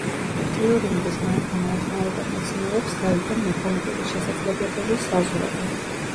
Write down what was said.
ტიურინგის მანქანა ეხმარება მეცნიერებს, გაიგონ მექანიკური შესაძლებლობების საზღვრები.